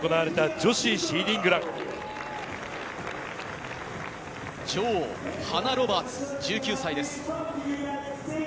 女王、ハナ・ロバーツ、１９歳です。